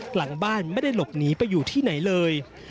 หลังบ้านไม่ได้หลบหนีไปอยู่ที่ไหนเลย